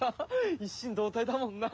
一心同体だもんな。